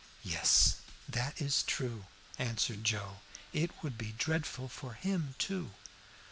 "Yes, that is true," answered Joe. "It would be dreadful for him too."